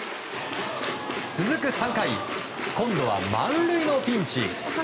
続く３回、今度は満塁のピンチ